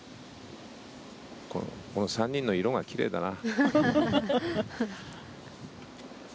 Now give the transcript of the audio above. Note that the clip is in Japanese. この３人の色が奇麗だな。